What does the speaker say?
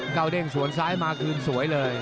เก้าเด้งสวนซ้ายมาคืนสวยเลย